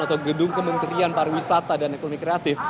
atau gedung kementerian pariwisata dan ekonomi kreatif